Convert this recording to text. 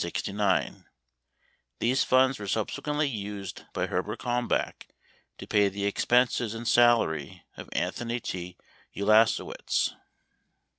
85 These funds were subsequently used by Herbert Kalmbach to pay the expenses and salary of Anthony T. Ulasewicz.